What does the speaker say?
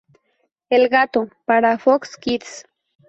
El Gato" para Fox Kids.